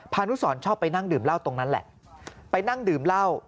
นุสรชอบไปนั่งดื่มเหล้าตรงนั้นแหละไปนั่งดื่มเหล้า